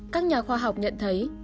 các nhà khoa học nhận thấy